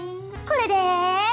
これで。